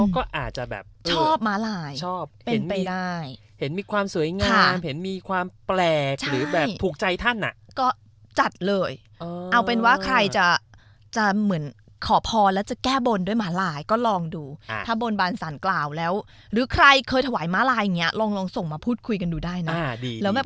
ก็เลยคิดว่าการถวายม้าลายเท่านี้แหละทำให้เค้าเฮ่งเค้าชอบดี